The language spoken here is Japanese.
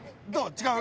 違う？